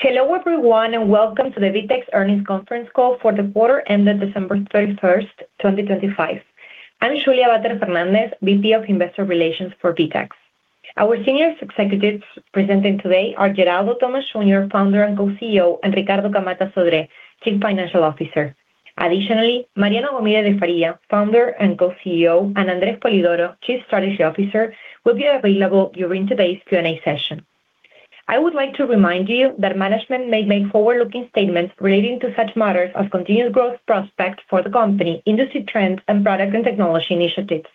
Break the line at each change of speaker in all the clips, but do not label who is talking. Hello everyone, welcome to the VTEX Earnings Conference Call for the quarter ended December 31, 2025. I'm Julia Vater Fernández, VP of Investor Relations for VTEX. Our senior executives presenting today are Geraldo Thomaz Jr., Founder and Co-CEO, and Ricardo Camatta Sodré, Chief Financial Officer. Additionally, Mariano Gomide de Faria, Founder and Co-CEO, and Andre Spolidoro, Chief Strategy Officer, will be available during today's Q&A session. I would like to remind you that management may make forward-looking statements relating to such matters as continued growth prospects for the company, industry trends, and product and technology initiatives.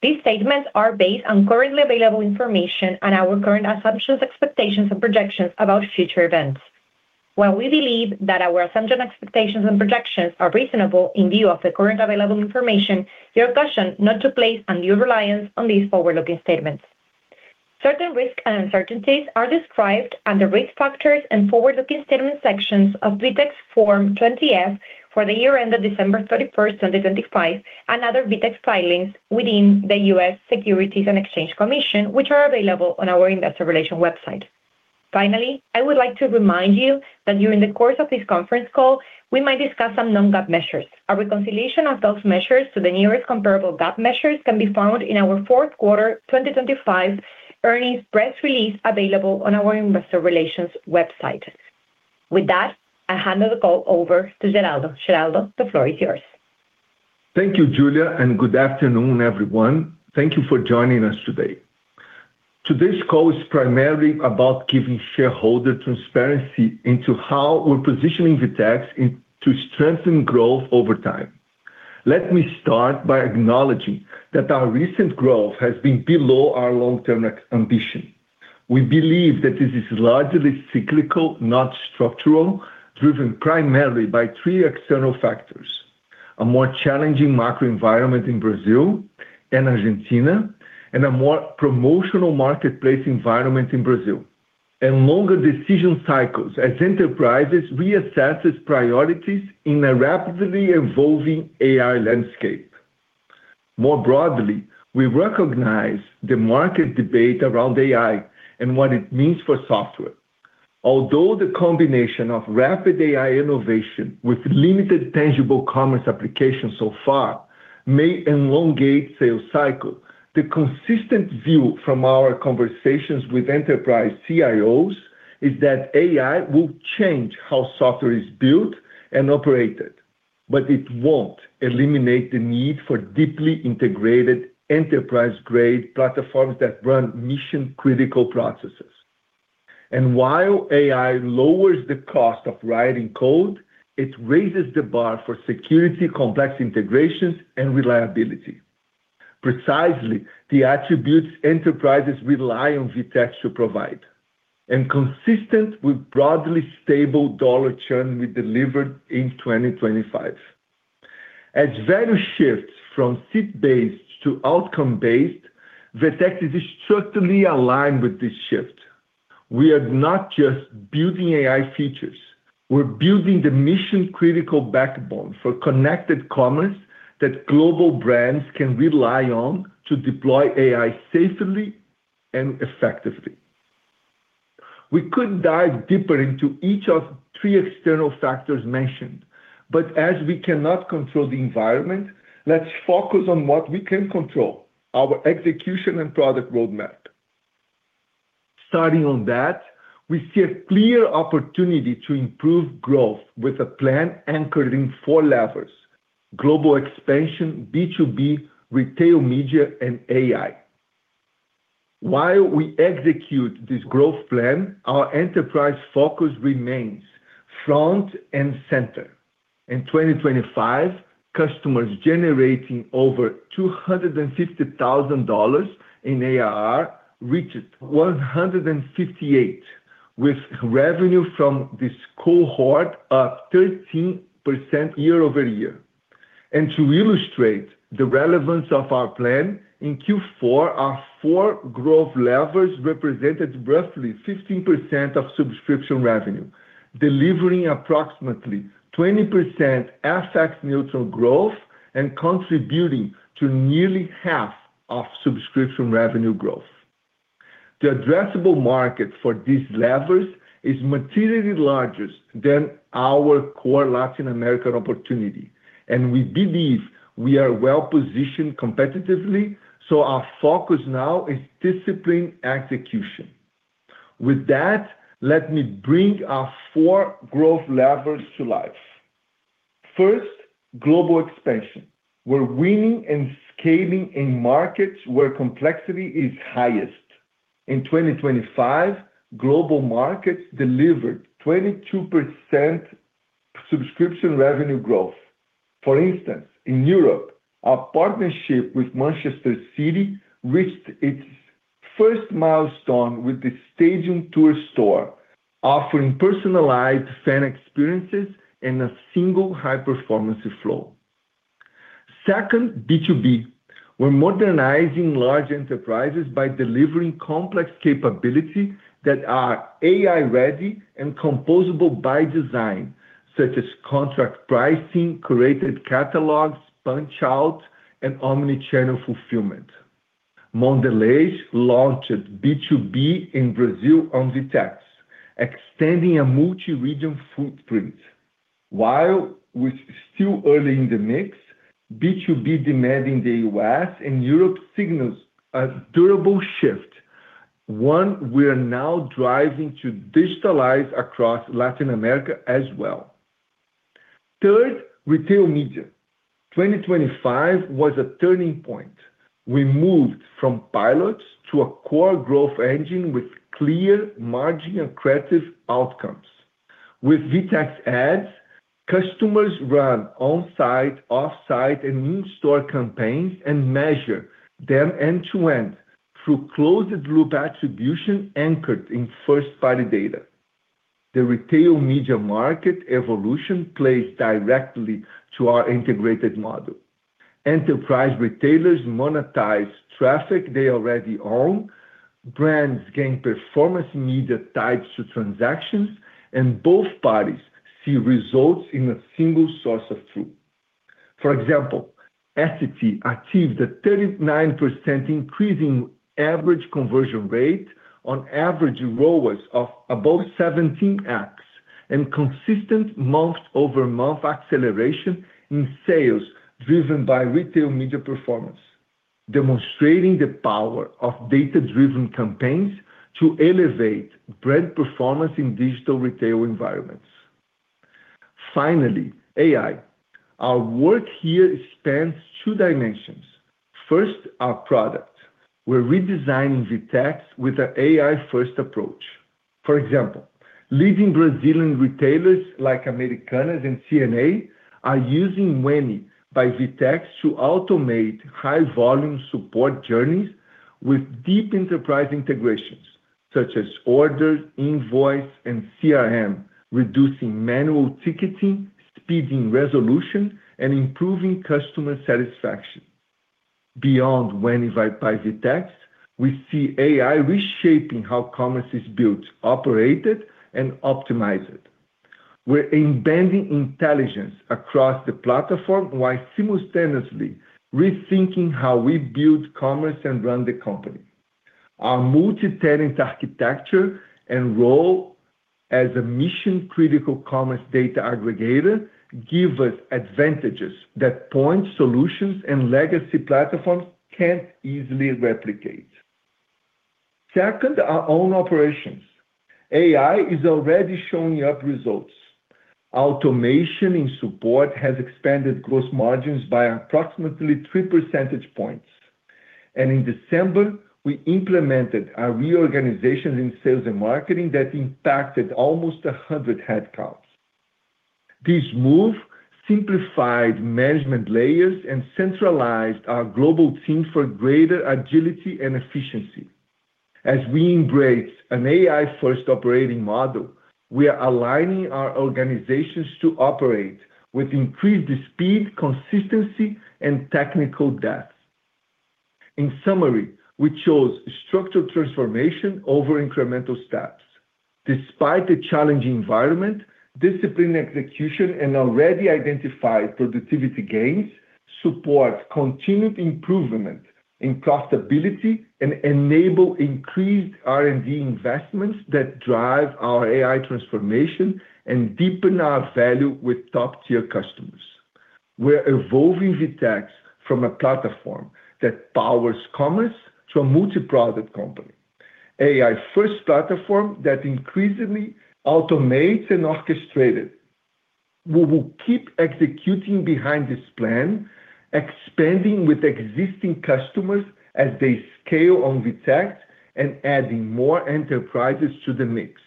These statements are based on currently available information and our current assumption, expectations, and projections about future events. While we believe that our assumption, expectations, and projections are reasonable in view of the current available information, we caution not to place undue reliance on these forward-looking statements. Certain risks and uncertainties are described under Risk Factors and Forward-Looking Statements sections of VTEX Form 20-F for the year ended December 31st, 2025 and other VTEX filings within the U.S. Securities and Exchange Commission, which are available on our investor relations website. Finally, I would like to remind you that during the course of this conference call, we might discuss some non-GAAP measures. A reconciliation of those measures to the nearest comparable GAAP measures can be found in our fourth quarter 2025 earnings press release available on our investor relations website. With that, I hand the call over to Geraldo. Geraldo, the floor is yours.
Thank you, Julia, and good afternoon, everyone. Thank you for joining us today. Today's call is primarily about giving shareholder transparency into how we're positioning VTEX to strengthen growth over time. Let me start by acknowledging that our recent growth has been below our long-term ambition. We believe that this is largely cyclical, not structural, driven primarily by three external factors: a more challenging macro environment in Brazil and Argentina, and a more promotional marketplace environment in Brazil, and longer decision cycles as enterprises reassess its priorities in a rapidly evolving AI landscape. More broadly, we recognize the market debate around AI and what it means for software. Although the combination of rapid AI innovation with limited tangible commerce applications so far may elongate sales cycle, the consistent view from our conversations with enterprise CIOs is that AI will change how software is built and operated, but it won't eliminate the need for deeply integrated enterprise-grade platforms that run mission-critical processes. While AI lowers the cost of writing code, it raises the bar for security, complex integrations, and reliability. Precisely the attributes enterprises rely on VTEX to provide and consistent with broadly stable dollar churn we delivered in 2025. As value shifts from seat-based to outcome-based, VTEX is strictly aligned with this shift. We are not just building AI features, we're building the mission-critical backbone for connected commerce that global brands can rely on to deploy AI safely and effectively. We could dive deeper into each of three external factors mentioned, but as we cannot control the environment, let's focus on what we can control, our execution and product roadmap. Starting on that, we see a clear opportunity to improve growth with a plan anchoring four levers, global expansion, B2B, retail media, and AI. While we execute this growth plan, our enterprise focus remains front and center. In 2025, customers generating over $250,000 in ARR reached 158, with revenue from this cohort up 13% year-over-year. To illustrate the relevance of our plan, in Q4, our four growth levers represented roughly 15% of subscription revenue, delivering approximately 20% FX neutral growth and contributing to nearly half of subscription revenue growth. The addressable market for these levers is materially larger than our core Latin American opportunity. We believe we are well positioned competitively. Our focus now is disciplined execution. With that, let me bring our four growth levers to life. First, global expansion. We're winning and scaling in markets where complexity is highest. In 2025, global markets delivered 22% subscription revenue growth. For instance, in Europe, our partnership with Manchester City reached its first milestone with the stadium tour store offering personalized fan experiences in a single high-performance flow. Second, B2B. We're modernizing large enterprises by delivering complex capability that are AI-ready and composable by design, such as contract pricing, curated catalogs, PunchOut, and omni-channel fulfillment. Mondelēz launched B2B in Brazil on VTEX, extending a multi-region footprint. While we're still early in the mix, B2B demand in the U.S. and Europe signals a durable shift, one we're now driving to digitalize across Latin America as well. Third, retail media. 2025 was a turning point. We moved from pilots to a core growth engine with clear margin and creative outcomes. With VTEX Ads, customers run on-site, off-site, and in-store campaigns and measure them end-to-end through closed-loop attribution anchored in first-party data. The retail media market evolution plays directly to our integrated model. Enterprise retailers monetize traffic they already own, brands gain performance media tied to transactions, and both parties see results in a single source of truth. Essity achieved a 39% increase in average conversion rate on average ROAS of above 17x and consistent month-over-month acceleration in sales driven by retail media performance, demonstrating the power of data-driven campaigns to elevate brand performance in digital retail environments. AI. Our work here spans two dimensions. Our product. We're redesigning VTEX with an AI-first approach. Leading Brazilian retailers like Americanas and C&A are using Weni by VTEX to automate high volume support journeys with deep enterprise integrations such as orders, invoice, and CRM, reducing manual ticketing, speeding resolution, and improving customer satisfaction. Beyond Weni by VTEX, we see AI reshaping how commerce is built, operated, and optimized. We're embedding intelligence across the platform while simultaneously rethinking how we build commerce and run the company. Our multi-tenant architecture and role as a mission-critical commerce data aggregator give us advantages that point solutions and legacy platforms can't easily replicate. Second, our own operations. AI is already showing up results. Automation in support has expanded gross margins by approximately 3 percentage points. In December, we implemented a reorganization in sales and marketing that impacted almost 100 headcounts. This move simplified management layers and centralized our global team for greater agility and efficiency. As we embrace an AI-first operating model, we are aligning our organizations to operate with increased speed, consistency, and technical depth. In summary, we chose structured transformation over incremental steps. Despite the challenging environment, disciplined execution and already identified productivity gains support continued improvement in profitability and enable increased R&D investments that drive our AI transformation and deepen our value with top-tier customers. We're evolving VTEX from a platform that powers commerce to a multi-product company, AI-first platform that increasingly automates and orchestrate it. We will keep executing behind this plan, expanding with existing customers as they scale on VTEX and adding more enterprises to the mix.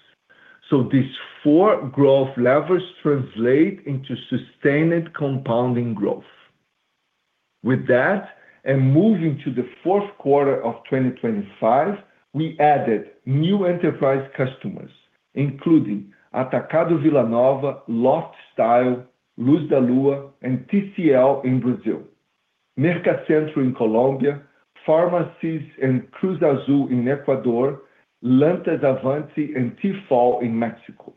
These four growth levers translate into sustained compounding growth. With that, moving to the fourth quarter of 2025, we added new enterprise customers, including Atacado Vila Nova, Lofty Style, Luz da Lua, and TCL in Brazil, Mercacentro in Colombia, Pharmacy's and Cruz Azul in Ecuador, Llantas Avante and T-fal in Mexico.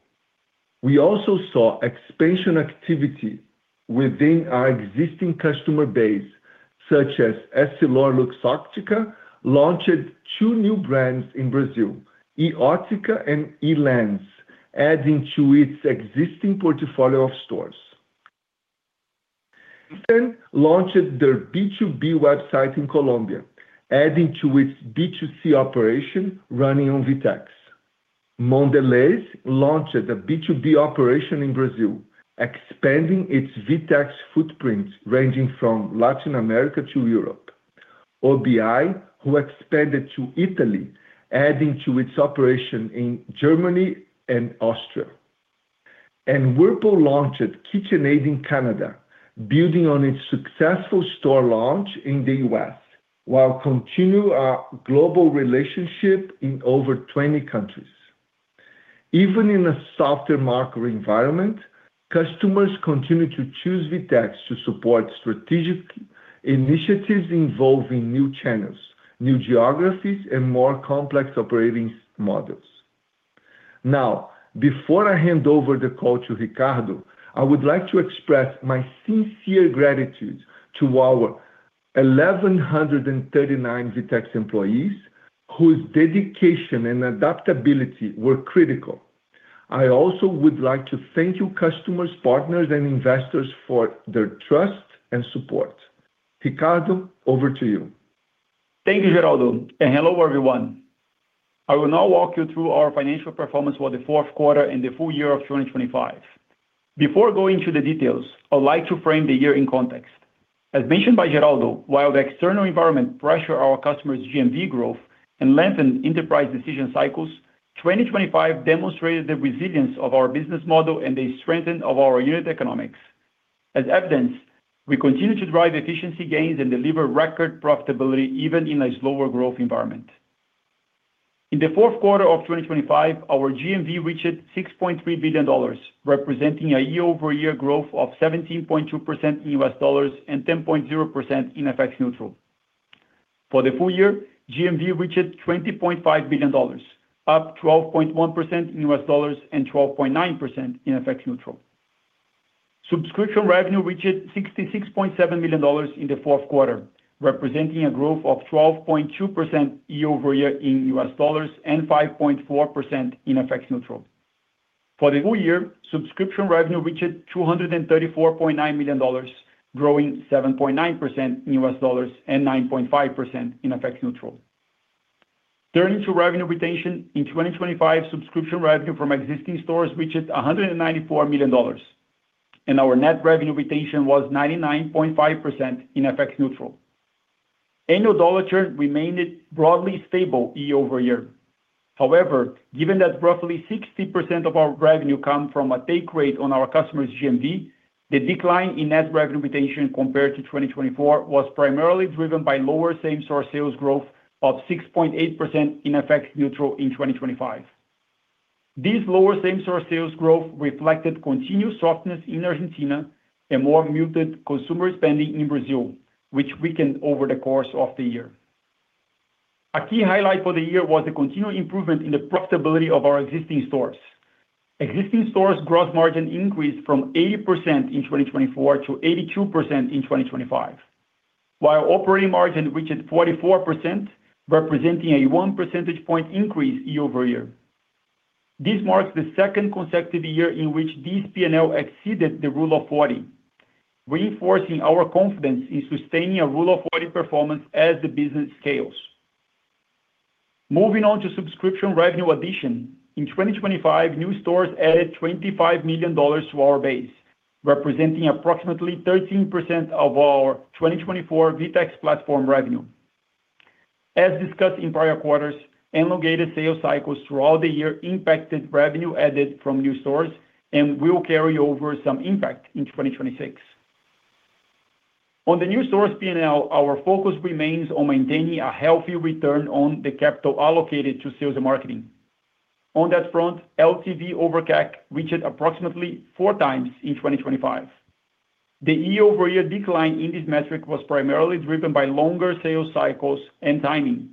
We also saw expansion activity within our existing customer base, such as EssilorLuxottica launched two new brands in Brazil, eÓtica and E-Lens, adding to its existing portfolio of stores. launched their B2B website in Colombia, adding to its B2C operation running on VTEX. Mondelēz launched a B2B operation in Brazil, expanding its VTEX footprint, ranging from Latin America to Europe. OBI, who expanded to Italy, adding to its operation in Germany and Austria. Whirlpool launched KitchenAid in Canada, building on its successful store launch in the U.S. while continue our global relationship in over 20 countries. Even in a softer market environment, customers continue to choose VTEX to support strategic initiatives involving new channels, new geographies, and more complex operating models. Before I hand over the call to Ricardo, I would like to express my sincere gratitude to our 1,139 VTEX employees whose dedication and adaptability were critical. I also would like to thank you customers, partners, and investors for their trust and support. Ricardo, over to you.
Thank you, Geraldo. Hello, everyone. I will now walk you through our financial performance for the fourth quarter and the full year of 2025. Before going through the details, I'd like to frame the year in context. As mentioned by Geraldo, while the external environment pressure our customers' GMV growth and lengthen enterprise decision cycles, 2025 demonstrated the resilience of our business model and the strengthen of our unit economics. As evidenced, we continue to drive efficiency gains and deliver record profitability even in a slower growth environment. In the fourth quarter of 2025, our GMV reached $6.3 billion, representing a year-over-year growth of 17.2% in U.S. dollars and 10.0% in FX-neutral. For the full year, GMV reached $20.5 billion, up 12.1% in U.S. dollars and 12.9% in FX-neutral. Subscription revenue reached $66.7 million in the fourth quarter, representing a growth of 12.2% year-over-year in U.S. dollars and 5.4% in FX-neutral. For the full year, subscription revenue reached $234.9 million, growing 7.9% in U.S. dollars and 9.5% in FX-neutral. Turning to revenue retention, in 2025, subscription revenue from existing stores reached $194 million, and our net revenue retention was 99.5% in FX-neutral. Annual dollar churn remained broadly stable year-over-year. However, given that roughly 60% of our revenue come from a take rate on our customers' GMV, the decline in net revenue retention compared to 2024 was primarily driven by lower same-store sales growth of 6.8% in FX-neutral in 2025. This lower same-store sales growth reflected continued softness in Argentina and more muted consumer spending in Brazil, which weakened over the course of the year. A key highlight for the year was the continued improvement in the profitability of our existing stores. Existing stores' gross margin increased from 80% in 2024 to 82% in 2025. While operating margin reached 44%, representing a 1 percentage point increase year-over-year. This marks the second consecutive year in which this P&L exceeded the Rule of 40, reinforcing our confidence in sustaining a Rule of 40 performance as the business scales. Moving on to subscription revenue addition. In 2025, new stores added $25 million to our base, representing approximately 13% of our 2024 VTEX Platform revenue. As discussed in prior quarters, elongated sales cycles throughout the year impacted revenue added from new stores and will carry over some impact in 2026. On the new stores P&L, our focus remains on maintaining a healthy return on the capital allocated to sales and marketing. On that front, LTV/CAC reached approximately 4 times in 2025. The year-over-year decline in this metric was primarily driven by longer sales cycles and timing,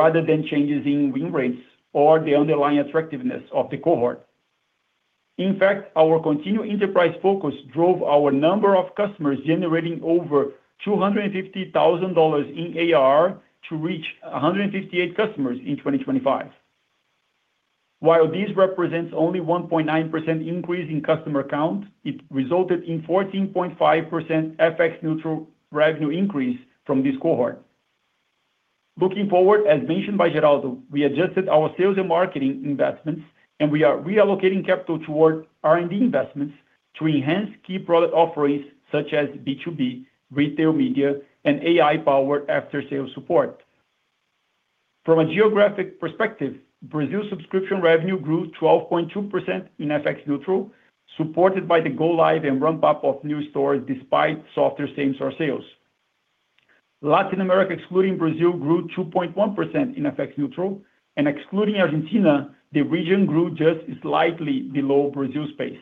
rather than changes in win rates or the underlying attractiveness of the cohort. In fact, our continued enterprise focus drove our number of customers generating over $250,000 in ARR to reach 158 customers in 2025. While this represents only 1.9% increase in customer count, it resulted in 14.5% FX-neutral revenue increase from this cohort. Looking forward, as mentioned by Geraldo, we adjusted our sales and marketing investments. We are reallocating capital toward R&D investments to enhance key product offerings such as B2B, Retail Media, and AI-powered after-sale support. From a geographic perspective, Brazil subscription revenue grew 12.2% in FX-neutral, supported by the go live and ramp-up of new stores despite softer same-store sales. Latin America, excluding Brazil, grew 2.1% in FX-neutral. Excluding Argentina, the region grew just slightly below Brazil's pace.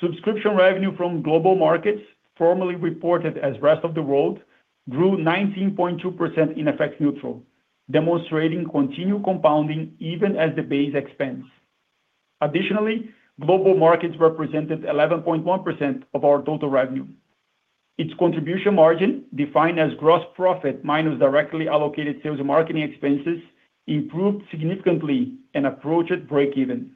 Subscription revenue from global markets, formerly reported as Rest of the World, grew 19.2% in FX-neutral, demonstrating continued compounding even as the base expands. Additionally, global markets represented 11.1% of our total revenue. Its contribution margin, defined as gross profit minus directly allocated sales and marketing expenses, improved significantly and approached breakeven.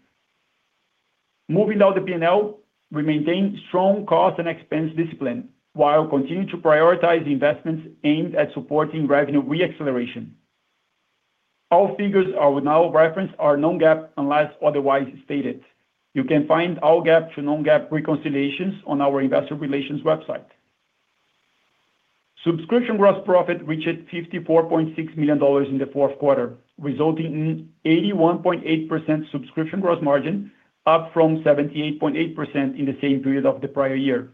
Moving down the P&L, we maintain strong cost and expense discipline while continuing to prioritize investments aimed at supporting revenue re-acceleration. All figures are with now reference are non-GAAP unless otherwise stated. You can find all GAAP to non-GAAP reconciliations on our investor relations website. Subscription gross profit reached $54.6 million in the fourth quarter, resulting in 81.8% subscription gross margin up from 78.8% in the same period of the prior year.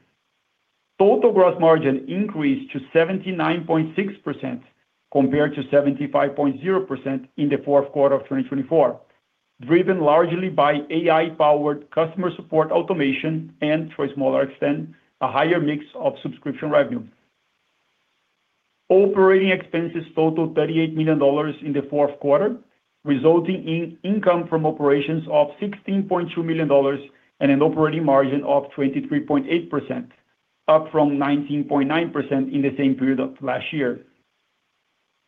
Total gross margin increased to 79.6% compared to 75.0% in the fourth quarter of 2024, driven largely by AI-powered customer support automation and, to a smaller extent, a higher mix of subscription revenue. Operating expenses totaled $38 million in the fourth quarter resulting in income from operations of $16.2 million and an operating margin of 23.8%, up from 19.9% in the same period of last year.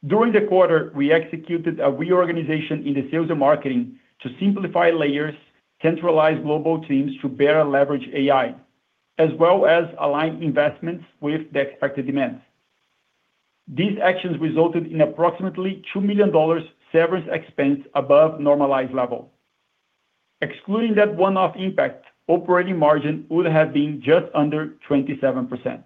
During the quarter, we executed a reorganization in the sales and marketing to simplify layers, centralize global teams to better leverage AI as well as align investments with the expected demand. These actions resulted in approximately $2 million severance expense above normalized level. Excluding that one-off impact, operating margin would have been just under 27%.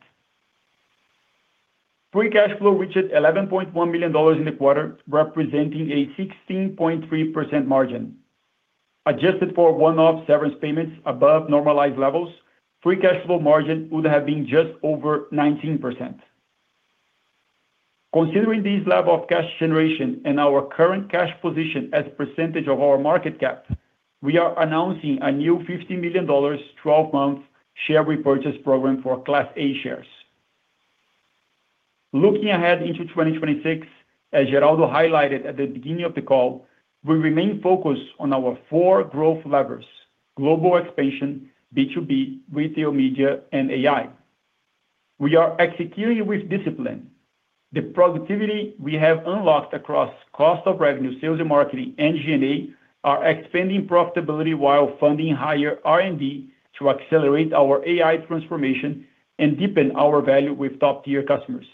Free cash flow reached $11.1 million in the quarter, representing a 16.3% margin. Adjusted for one-off severance payments above normalized levels, free cash flow margin would have been just over 19%. Considering this level of cash generation and our current cash position as a percentage of our market cap, we are announcing a new $50 million 12-month share repurchase program for Class A shares. Looking ahead into 2026, as Geraldo. highlighted at the beginning of the call, we remain focused on our four growth levers: global expansion, B2B, retail media, and AI. We are executing with discipline. The productivity we have unlocked across cost of revenue, sales and marketing, and G&A are expanding profitability while funding higher R&D to accelerate our AI transformation and deepen our value with top-tier customers.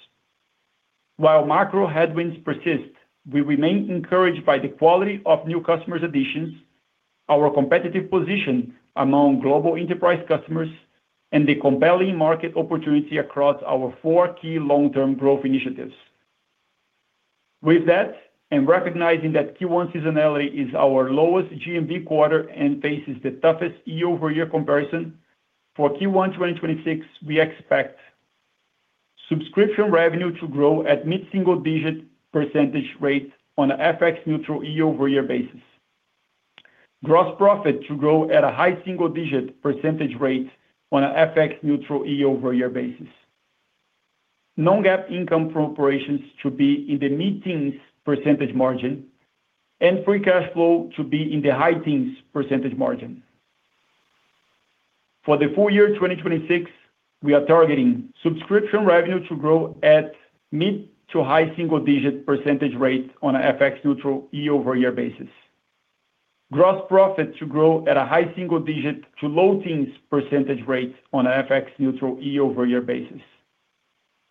While macro headwinds persist, we remain encouraged by the quality of new customers' additions, our competitive position among global enterprise customers, and the compelling market opportunity across our four key long-term growth initiatives. With that, recognizing that Q1 seasonality is our lowest GMV quarter and faces the toughest year-over-year comparison, for Q1 2026, we expect subscription revenue to grow at mid-single digit % rate on a FX-neutral year-over-year basis. Gross profit to grow at a high single digit % rate on a FX-neutral year-over-year basis. Non-GAAP income from operations to be in the mid-teens percentage margin, and free cash flow to be in the high teens percentage margin. For the full year 2026, we are targeting subscription revenue to grow at mid to high single digit % rate on a FX-neutral year-over-year basis. Gross profit to grow at a high single-digit to low-teens percentage rate on an FX-neutral year-over-year basis.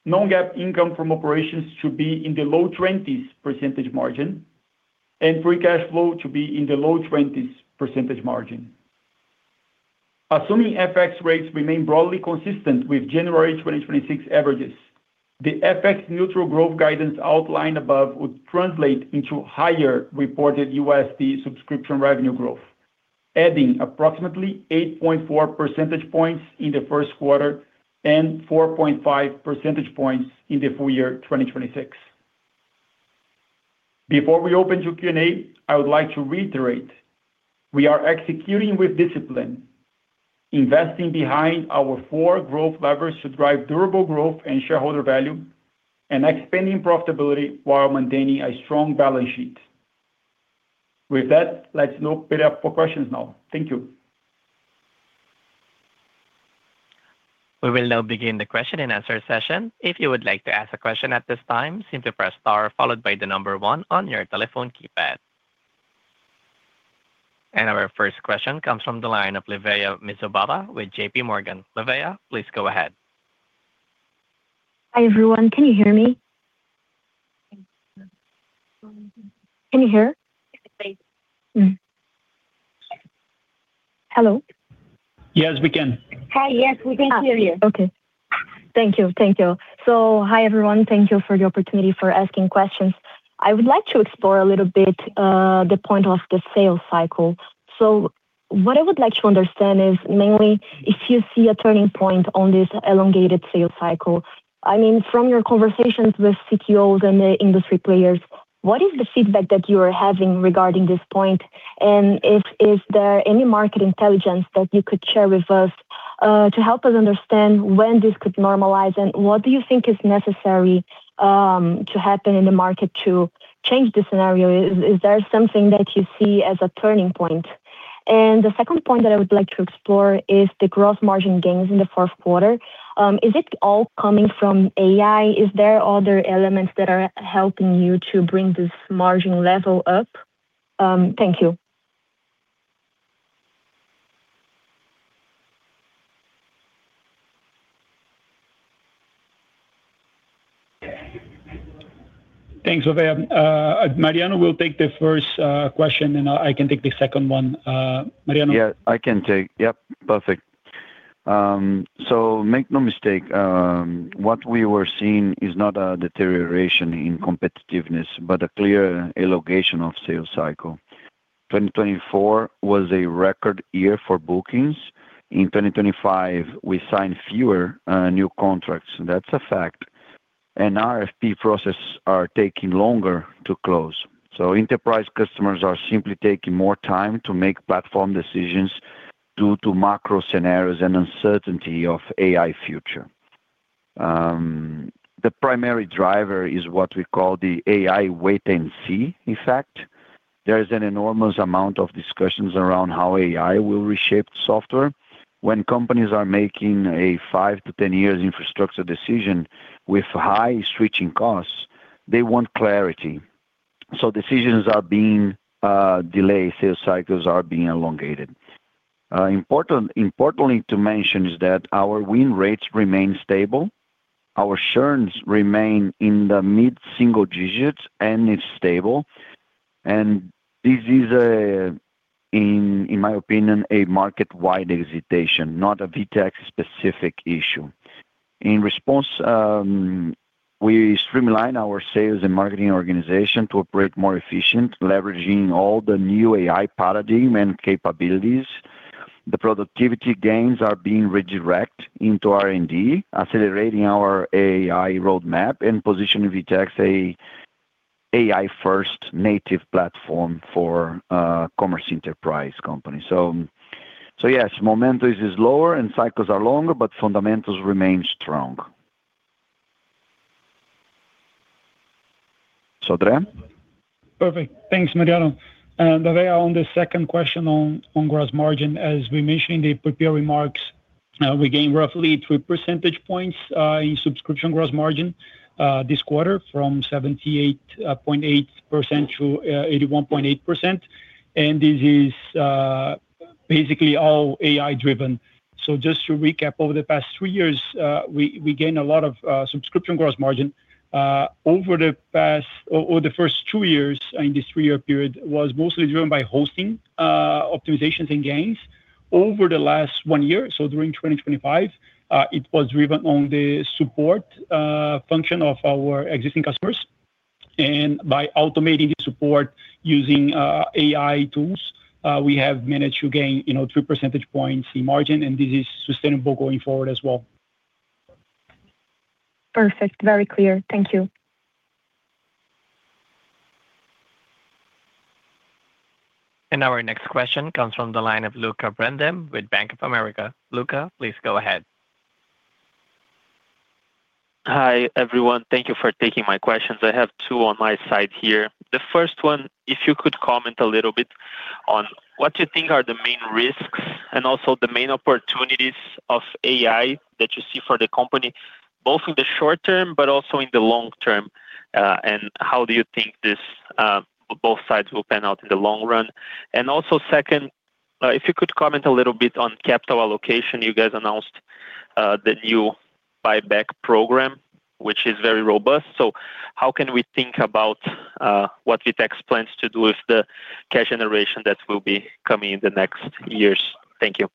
Non-GAAP income from operations to be in the low twenties percentage margin, and free cash flow to be in the low twenties percentage margin. Assuming FX rates remain broadly consistent with January 2026 averages, the FX-neutral growth guidance outlined above would translate into higher reported USD subscription revenue growth, adding approximately 8.4 percentage points in the first quarter and 4.5 percentage points in the full year 2026. Before we open to Q&A, I would like to reiterate, we are executing with discipline, investing behind our four growth levers to drive durable growth and shareholder value, and expanding profitability while maintaining a strong balance sheet. With that, let's open up for questions now. Thank you.
We will now begin the Q&A session. If you would like to ask a question at this time, simply press star followed by one on your telephone keypad. Our first question comes from the line of Livea Mitsubara with JPMorgan. Livea, please go ahead.
Hi, everyone. Can you hear me? Can you hear?
Yes, we can.
Hi. Yes, we can hear you.
Okay. Thank you. Thank you. Hi, everyone. Thank you for the opportunity for asking questions. I would like to explore a little bit the point of the sales cycle. What I would like to understand is mainly if you see a turning point on this elongated sales cycle. I mean, from your conversations with CTOs and the industry players, what is the feedback that you are having regarding this point? Is there any market intelligence that you could share with us to help us understand when this could normalize? What do you think is necessary to happen in the market to change the scenario? Is there something that you see as a turning point? The second point that I would like to explore is the gross margin gains in the fourth quarter. Is it all coming from AI? Is there other elements that are helping you to bring this margin level up? Thank you.
Thanks, Livea. Mariano will take the first question. I can take the second one. Mariano?
Yeah, I can take. Yep. Perfect. Make no mistake, what we were seeing is not a deterioration in competitiveness, but a clear elongation of sales cycle. 2024 was a record year for bookings. In 2025, we signed fewer new contracts. That's a fact. RFP process are taking longer to close. Enterprise customers are simply taking more time to make platform decisions. Due to macro scenarios and uncertainty of AI future. The primary driver is what we call the AI wait and see effect. There is an enormous amount of discussions around how AI will reshape software. When companies are making a 5-10 years infrastructure decision with high switching costs, they want clarity. Decisions are being delayed, sales cycles are being elongated. Importantly to mention is that our win rates remain stable, our churns remain in the mid-single digits, and it's stable. This is in my opinion, a market-wide hesitation, not a VTEX specific issue. In response, we streamline our sales and marketing organization to operate more efficient, leveraging all the new AI paradigm and capabilities. The productivity gains are being redirected into R&D, accelerating our AI roadmap and positioning VTEX a AI-first native platform for commerce enterprise company.
Yes, momentum is lower and cycles are longer, but fundamentals remain strong. Sodré?
Perfect. Thanks, Mariano. On the second question on gross margin, as we mentioned in the prepared remarks, we gained roughly 3 percentage points in subscription gross margin this quarter from 78.8% to 81.8%, and this is basically all AI-driven. Just to recap, over the past three years, we gained a lot of subscription gross margin. Or the first two years in this three-year period was mostly driven by hosting optimizations and gains. Over the last one year, so during 2025, it was driven on the support function of our existing customers. By automating the support using AI tools, we have managed to gain, you know, 3 percentage points in margin, and this is sustainable going forward as well.
Perfect. Very clear. Thank you.
Our next question comes from the line of Lucca Brendim with Bank of America. Lucca, please go ahead.
Hi, everyone. Thank you for taking my questions. I have two on my side here. The first one, if you could comment a little bit on what you think are the main risks and also the main opportunities of AI that you see for the company, both in the short term but also in the long term. How do you think this, both sides will pan out in the long run? Also second, if you could comment a little bit on capital allocation. You guys announced, the new buyback program, which is very robust. How can we think about, what VTEX plans to do with the cash generation that will be coming in the next years? Thank you.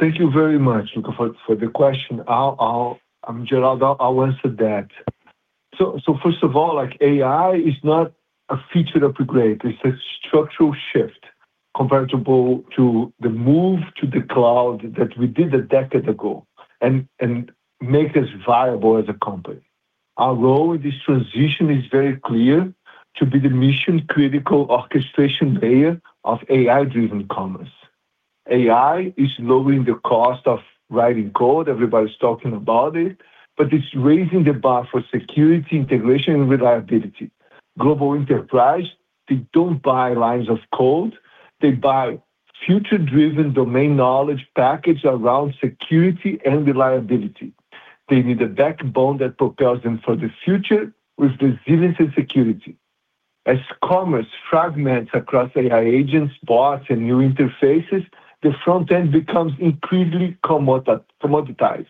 Thank you very much, Lucca, for the question. I'll, Geraldo, I'll answer that. First of all, like, AI is not a feature to upgrade. It's a structural shift comparable to the move to the cloud that we did a decade ago and make us viable as a company. Our role in this transition is very clear to be the mission-critical orchestration layer of AI-driven commerce. AI is lowering the cost of writing code. Everybody's talking about it, but it's raising the bar for security, integration, and reliability. Global enterprise, they don't buy lines of code. They buy future-driven domain knowledge packaged around security and reliability. They need the backbone that propels them for the future with resiliency security. As commerce fragments across AI agents, bots, and new interfaces, the front end becomes incredibly commoditized.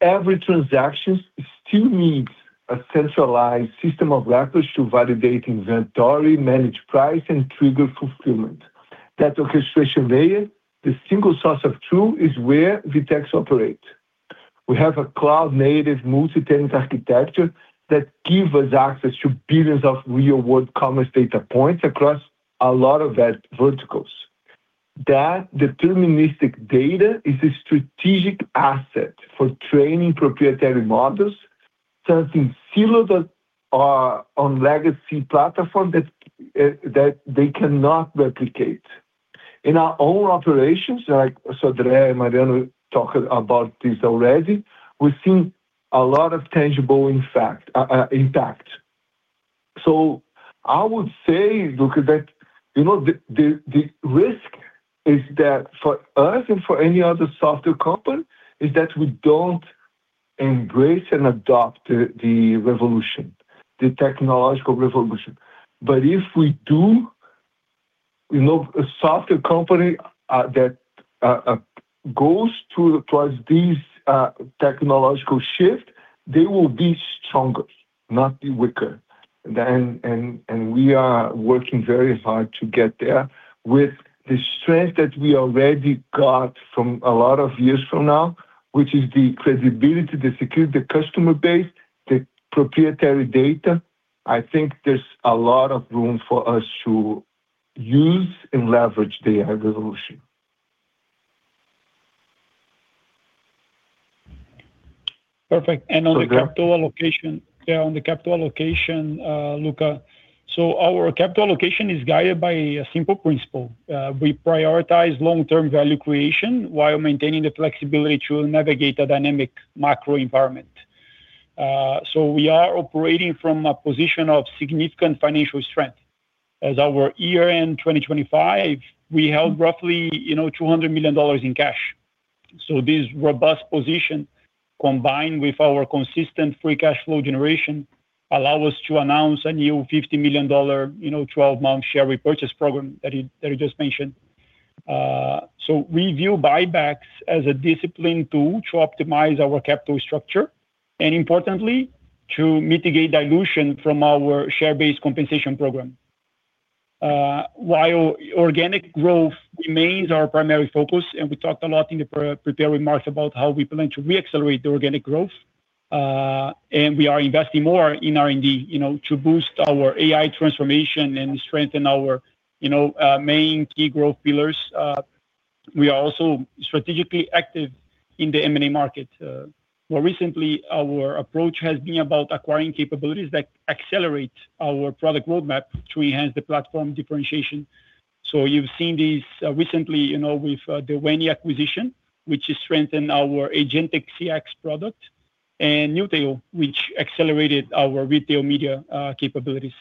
Every transaction still needs a centralized system of records to validate inventory, manage price, and trigger fulfillment. That orchestration layer, the single source of truth, is where VTEX operate. We have a cloud-native multi-tenant architecture that give us access to billions of real-world commerce data points across a lot of that verticals. That deterministic data is a strategic asset for training proprietary models that's in silos that are on legacy platform that they cannot replicate. In our own operations, like Sodré and Mariano talked about this already, we've seen a lot of tangible impact. I would say, Lucca, that, you know, the risk is that for us and for any other software company, is that we don't embrace and adopt the revolution, the technological revolution. If we do, you know, a software company that goes through towards these technological shift, they will be stronger, not be weaker. We are working very hard to get there with the strength that we already got from a lot of years from now, which is the credibility, the security, the customer base, the proprietary data. I think there's a lot of room for us to use and leverage the AI revolution.
Perfect. On the capital allocation, Lucca. Our capital allocation is guided by a simple principle. We prioritize long-term value creation while maintaining the flexibility to navigate a dynamic macro environment. We are operating from a position of significant financial strength. As our year-end 2025, we held roughly, you know, $200 million in cash. This robust position, combined with our consistent free cash flow generation, allow us to announce a new $50 million, you know, 12-month share repurchase program that you just mentioned. We view buybacks as a discipline tool to optimize our capital structure and importantly, to mitigate dilution from our share-based compensation program. While organic growth remains our primary focus, and we talked a lot in the pre-prepared remarks about how we plan to re-accelerate the organic growth, and we are investing more in R&D, you know, to boost our AI transformation and strengthen our, you know, main key growth pillars. We are also strategically active in the M&A market. More recently, our approach has been about acquiring capabilities that accelerate our product roadmap to enhance the platform differentiation. You've seen this recently, you know, with the Weni acquisition, which has strengthened our Agentic CX product, and Newtail, which accelerated our retail media capabilities.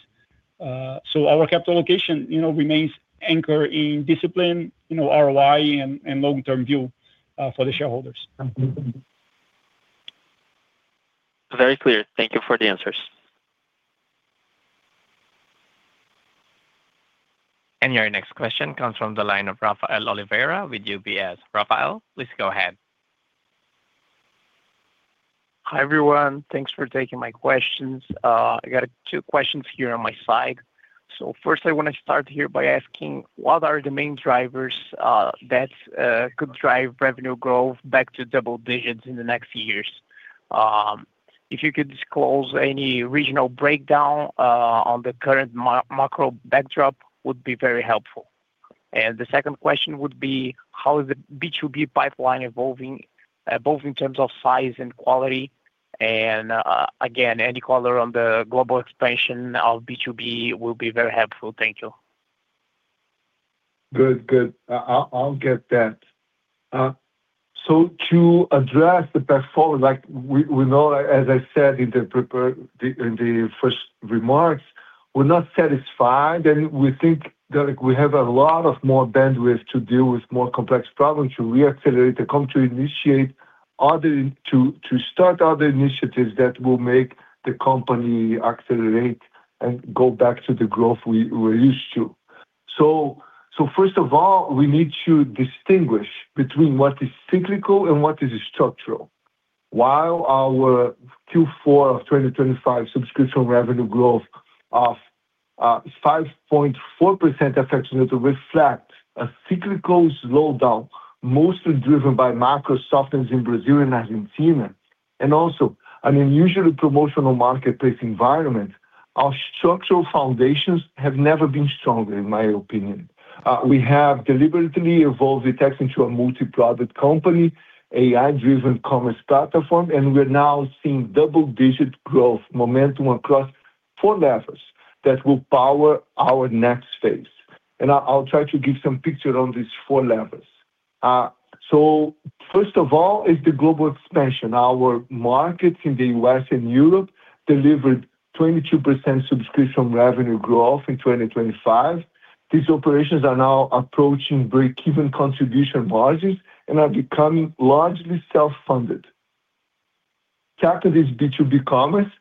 Our capital allocation, you know, remains anchored in discipline, you know, ROI and long-term view for the shareholders.
Very clear. Thank you for the answers.
Your next question comes from the line of Rafael Oliveira with UBS. Rafael, please go ahead.
Hi, everyone. Thanks for taking my questions. I got two questions here on my side. First, I wanna start here by asking, what are the main drivers that could drive revenue growth back to double digits in the next few years? If you could disclose any regional breakdown on the current macro backdrop would be very helpful. The second question would be, how is the B2B pipeline evolving both in terms of size and quality? Again, any color on the global expansion of B2B will be very helpful. Thank you.
Good. I'll get that. To address the platform, like we know, as I said in the first remarks, we're not satisfied, and we think that we have a lot of more bandwidth to deal with more complex problems, to re-accelerate the company, to start other initiatives that will make the company accelerate and go back to the growth we're used to. First of all, we need to distinguish between what is cyclical and what is structural. While our Q4 of 2025 subscription revenue growth of 5.4% FX-neutral to reflect a cyclical slowdown, mostly driven by macro softness in Brazil and Argentina, and also an unusually promotional marketplace environment, our structural foundations have never been stronger, in my opinion. We have deliberately evolved VTEX into a multi-product company, AI-driven Commerce Platform, and we're now seeing double-digit growth momentum across four levers that will power our next phase. I'll try to give some picture on these four levers. First of all is the global expansion. Our markets in the U.S. and Europe delivered 22% subscription revenue growth in 2025. These operations are now approaching break-even contribution margins and are becoming largely self-funded. Second is B2B commerce.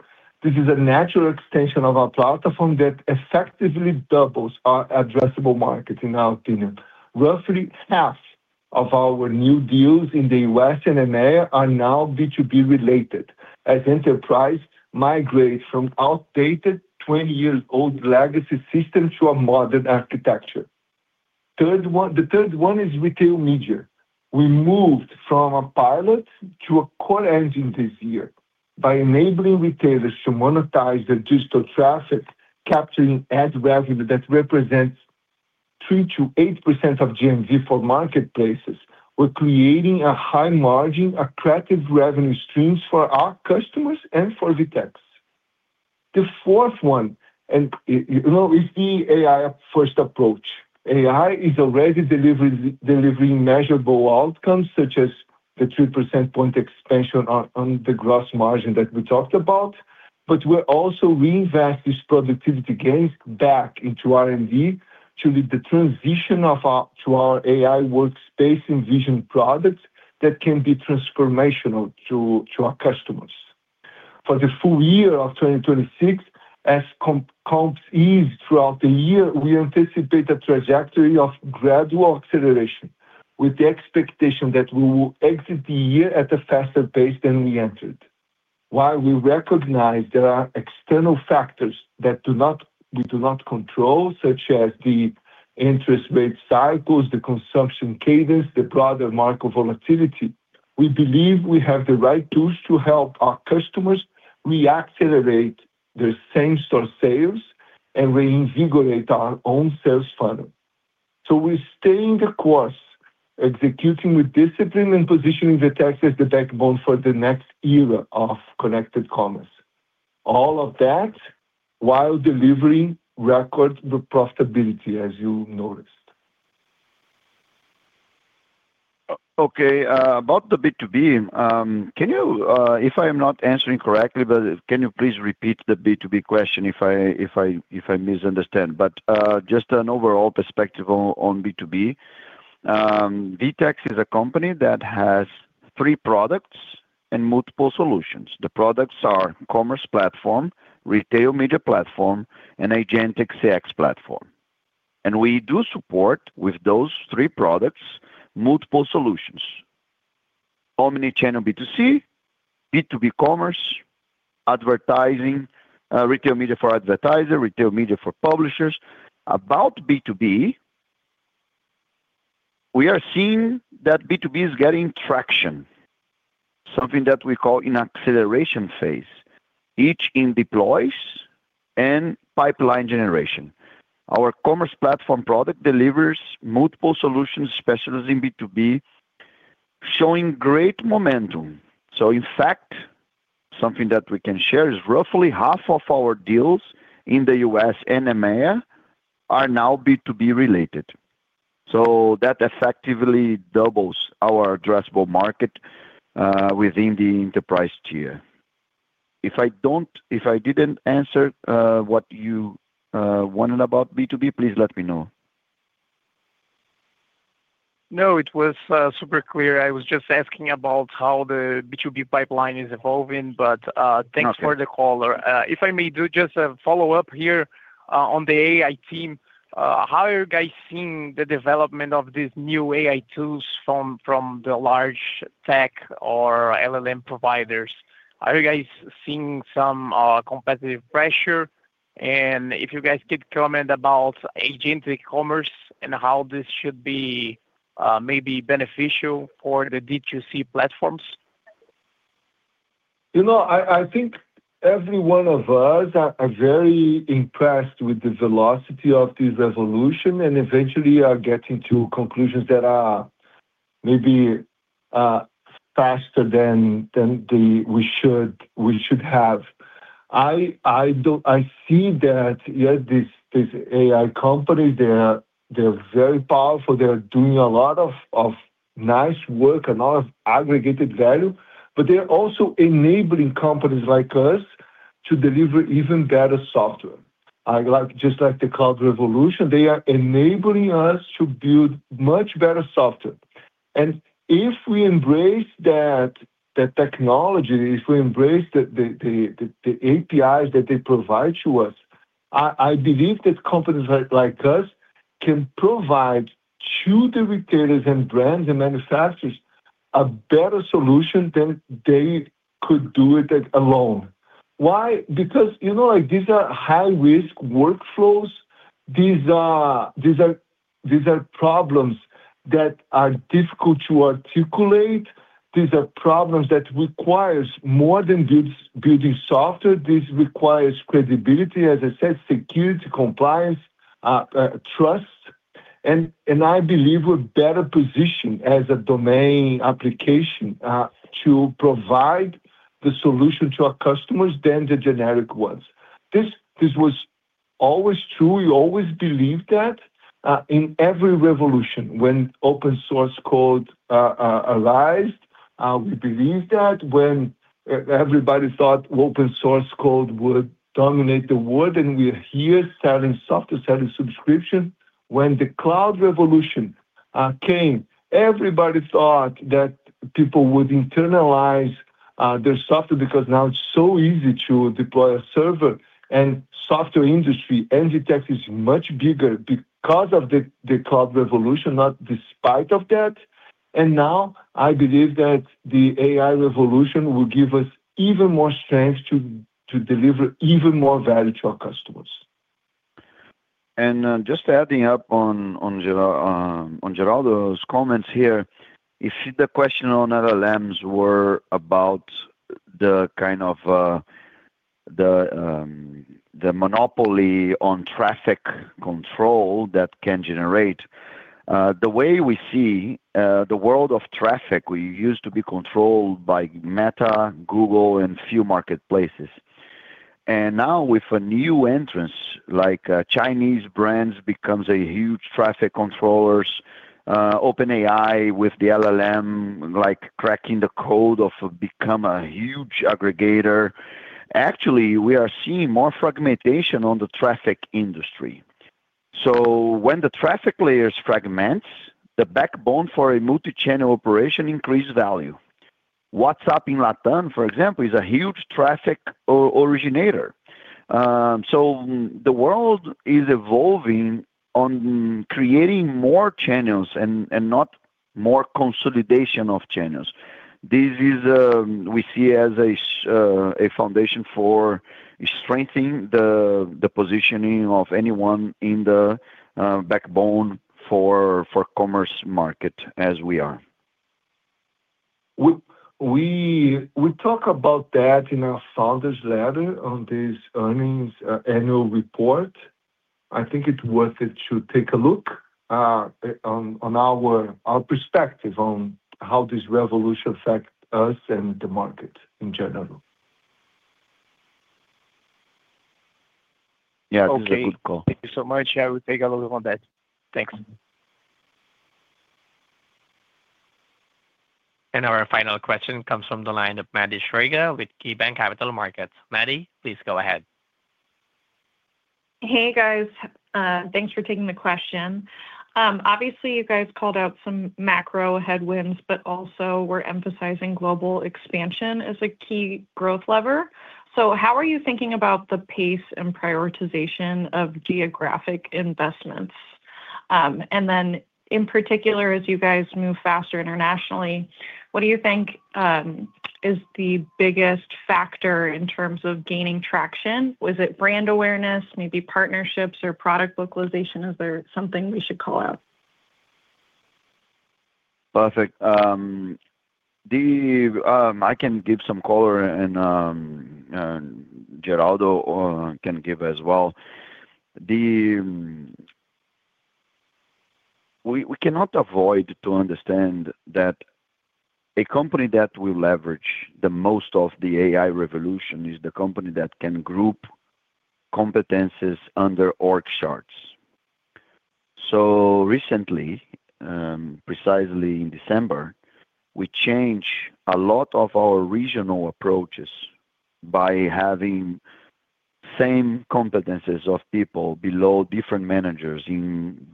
This is a natural extension of our platform that effectively doubles our addressable market, in our opinion. Roughly half of our new deals in the U.S. and EMEA are now B2B related as enterprise migrates from outdated 20-year-old legacy system to a modern architecture. The third one is Retail Media. We moved from a pilot to a core engine this year by enabling retailers to monetize their digital traffic, capturing ad revenue that represents 3%-8% of GMV for marketplaces. We're creating a high margin, attractive revenue streams for our customers and for VTEX. The fourth one, you know, is the AI-first approach. AI is already delivering measurable outcomes, such as the 3 percentage point expansion on the gross margin that we talked about. We're also reinvest this productivity gains back into R&D to lead the transition to our AI workspace and vision products that can be transformational to our customers. For the full year of 2026, as comps ease throughout the year, we anticipate a trajectory of gradual acceleration with the expectation that we will exit the year at a faster pace than we entered. While we recognize there are external factors that we do not control, such as the interest rate cycles, the consumption cadence, the broader market volatility, we believe we have the right tools to help our customers re-accelerate their same-store sales and reinvigorate our own sales funnel. We're staying the course, executing with discipline and positioning VTEX, the backbone for the next era of connected commerce. All of that while delivering record the profitability, as you noticed.
Okay, about the B2B, if I am not answering correctly, can you please repeat the B2B question if I misunderstand. Just an overall perspective on B2B. VTEX is a company that has three products and multiple solutions. The products are Commerce Platform, Retail Media Platform, and Agentic CX platform. We do support, with those three products, multiple solutions. Omnichannel B2C, B2B commerce, advertising, retail media for advertisers, retail media for publishers. About B2B, we are seeing that B2B is getting traction, something that we call an acceleration phase, each in deploys and pipeline generation. Our Commerce Platform product delivers multiple solutions, especially in B2B, showing great momentum. In fact, something that we can share is roughly half of our deals in the U.S. and EMEA are now B2B related. That effectively doubles our addressable market within the enterprise tier. If I didn't answer what you wanted about B2B, please let me know.
No, it was super clear. I was just asking about how the B2B pipeline is evolving.
Okay.
Thanks for the call. If I may do just a follow-up here, on the AI team, how are you guys seeing the development of these new AI tools from the large tech or LLM providers? Are you guys seeing some competitive pressure? If you guys could comment about agentic commerce and how this should be maybe beneficial for the D2C platforms?
You know, I think every one of us are very impressed with the velocity of this revolution and eventually are getting to conclusions that are maybe faster than we should have. I see that, yes, these AI companies, they're very powerful. They're doing a lot of nice work and a lot of aggregated value, but they're also enabling companies like us to deliver even better software. Just like the cloud revolution, they are enabling us to build much better software. If we embrace that, the technology, if we embrace the APIs that they provide to us, I believe that companies like us can provide to the retailers and brands and manufacturers a better solution than they could do it alone. Why? You know, like, these are high-risk workflows. These are, these are, these are problems that are difficult to articulate. These are problems that requires more than building software. This requires credibility, as I said, security, compliance, trust. I believe we're better positioned as a domain application, to provide the solution to our customers than the generic ones. This, this was always true. We always believed that, in every revolution. When open source code, arised, we believed that. When everybody thought open source code would dominate the world, and we're here selling software, selling subscription. When the cloud revolution, came, everybody thought that people would internalize, their software because now it's so easy to deploy a server. Software industry, NG text is much bigger because of the cloud revolution, not despite of that. Now I believe that the AI revolution will give us even more strength to deliver even more value to our customers.
Just adding up on Geraldo's comments here. If the question on LLMs were about the kind of the monopoly on traffic control that can generate, the way we see the world of traffic, we used to be controlled by Meta, Google and few marketplaces. Now with a new entrants like Chinese brands becomes a huge traffic controllers, OpenAI with the LLM, like cracking the code of become a huge aggregator. We are seeing more fragmentation on the traffic industry. When the traffic layers fragments, the backbone for a multi-channel operation increase value. WhatsApp in LATAM, for example, is a huge traffic originator. The world is evolving on creating more channels and not more consolidation of channels. This is, we see as a foundation for strengthening the positioning of anyone in the backbone for commerce market as we are. We talk about that in our founder's letter on this earnings annual report. I think it's worth it to take a look on our perspective on how this revolution affect us and the market in general. Yeah, that is a good call.
Okay. Thank you so much. I will take a look on that. Thanks.
Our final question comes from the line of Maddie Schrage with KeyBanc Capital Markets. Maddie, please go ahead.
Hey, guys. Thanks for taking the question. Obviously, you guys called out some macro headwinds, but also we're emphasizing global expansion as a key growth lever. How are you thinking about the pace and prioritization of geographic investments? Then in particular, as you guys move faster internationally, what do you think is the biggest factor in terms of gaining traction? Was it brand awareness, maybe partnerships or product localization? Is there something we should call out?
Perfect. I can give some color and Geraldo can give as well. We cannot avoid to understand that a company that will leverage the most of the AI revolution is the company that can group competencies under org charts. Recently, precisely in December, we change a lot of our regional approaches by having same competencies of people below different managers in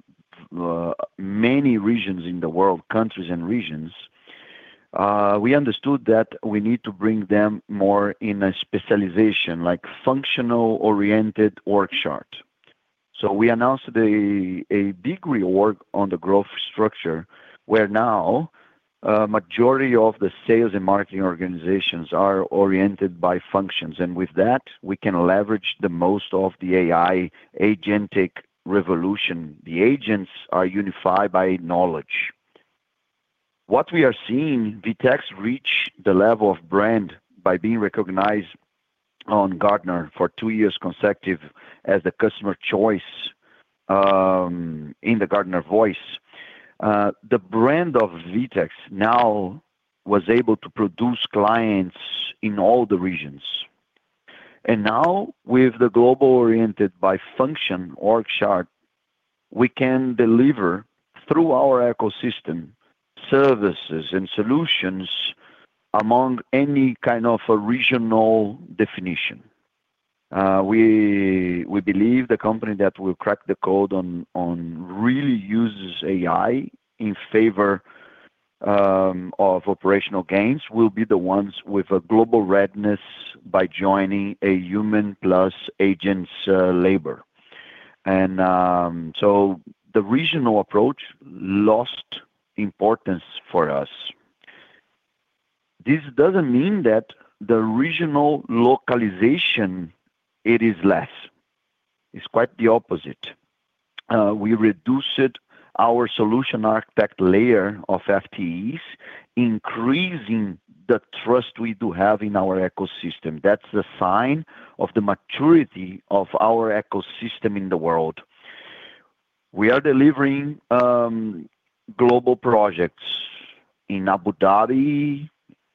many regions in the world, countries and regions. We understood that we need to bring them more in a specialization, like functional-oriented org chart. We announced a big rework on the growth structure, where now a majority of the sales and marketing organizations are oriented by functions. With that, we can leverage the most of the AI agentic revolution. The agents are unified by knowledge. What we are seeing, VTEX reach the level of brand by being recognized on Gartner for two years consecutive as the Customers' Choice in the Gartner Voice. The brand of VTEX now was able to produce clients in all the regions. Now with the global-oriented by function org chart, we can deliver through our ecosystem services and solutions among any kind of a regional definition. We believe the company that will crack the code on really uses AI in favor of operational gains will be the ones with a global readiness by joining a human plus agents labor. The regional approach lost importance for us. This doesn't mean that the regional localization, it is less. It's quite the opposite. We reduced our solution architect layer of FTEs, increasing the trust we do have in our ecosystem. That's a sign of the maturity of our ecosystem in the world. We are delivering global projects in Abu Dhabi,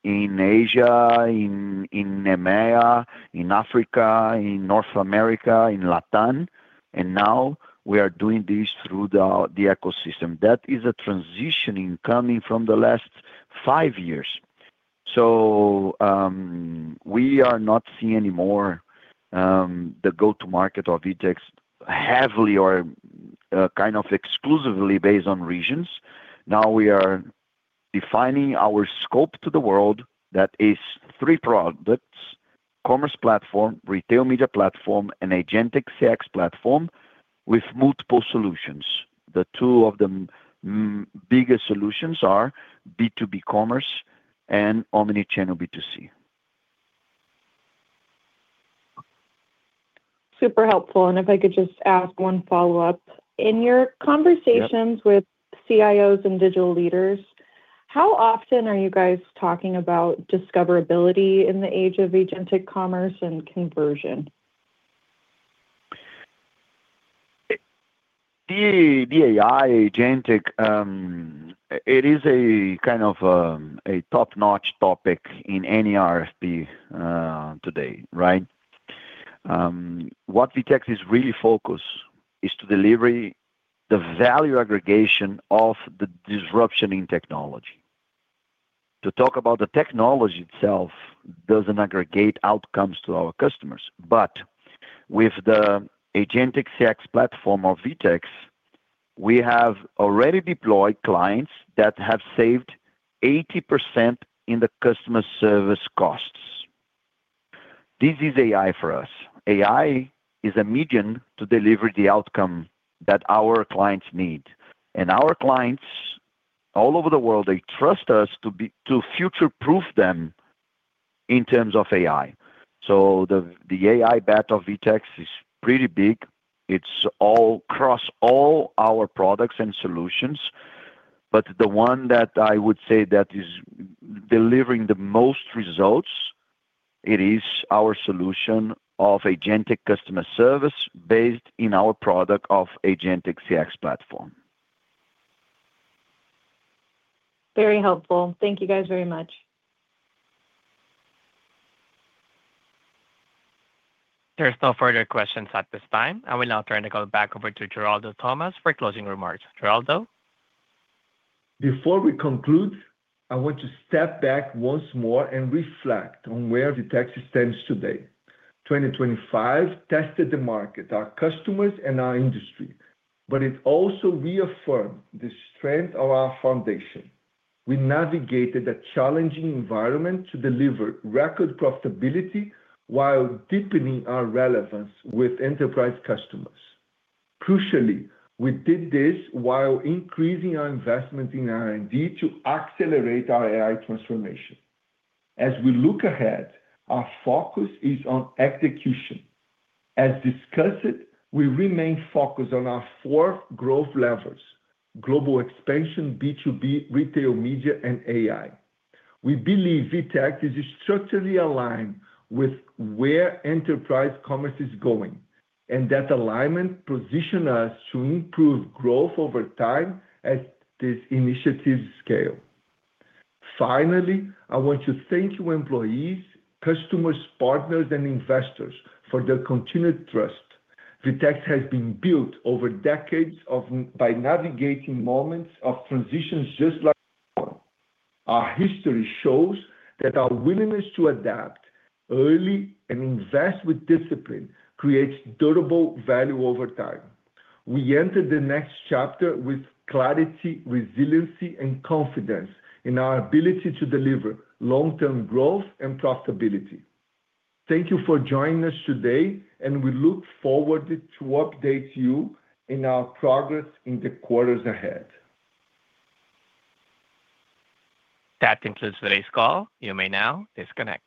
in Asia, in EMEA, in Africa, in North America, in LATAM, and now we are doing this through the ecosystem. That is a transitioning coming from the last five years. We are not seeing anymore the go-to-market of VTEX heavily or kind of exclusively based on regions. Now we are defining our scope to the world that is three products, Commerce Platform, Retail Media Platform, and Agentic CX platform with multiple solutions. The two of the biggest solutions are B2B commerce and omni-channel B2C.
Super helpful. If I could just ask one follow-up. In your conversations with CIOs and digital leaders, how often are you guys talking about discoverability in the age of agentic commerce and conversion?
The AI agentic, it is a kind of a top-notch topic in any RFP today, right? What VTEX is really focused is to delivery the value aggregation of the disruption in technology. To talk about the technology itself doesn't aggregate outcomes to our customers. With the Agentic CX platform of VTEX, we have already deployed clients that have saved 80% in the customer service costs. This is AI for us. AI is a median to deliver the outcome that our clients need. Our clients all over the world, they trust us to future-proof them. In terms of AI. The AI bet of VTEX is pretty big. It's all across all our products and solutions. The one that I would say that is delivering the most results, it is our solution of agentic customer service based in our product of Agentic CX platform.
Very helpful. Thank you guys very much.
There are no further questions at this time. I will now turn the call back over to Geraldo Thomaz for closing remarks. Geraldo Thomaz.
Before we conclude, I want to step back once more and reflect on where VTEX stands today. 2025 tested the market, our customers, and our industry, but it also reaffirmed the strength of our foundation. We navigated a challenging environment to deliver record profitability while deepening our relevance with enterprise customers. Crucially, we did this while increasing our investment in R&D to accelerate our AI transformation. As we look ahead, our focus is on execution. As discussed, we remain focused on our four growth levers: global expansion, B2B, retail, media, and AI. We believe VTEX is structurally aligned with where enterprise commerce is going, and that alignment positions us to improve growth over time as these initiatives scale. Finally, I want to thank you employees, customers, partners, and investors for their continued trust. VTEX has been built over decades by navigating moments of transitions just like this one. Our history shows that our willingness to adapt early and invest with discipline creates durable value over time. We enter the next chapter with clarity, resiliency, and confidence in our ability to deliver long-term growth and profitability. Thank you for joining us today, and we look forward to update you in our progress in the quarters ahead.
That concludes today's call. You may now disconnect.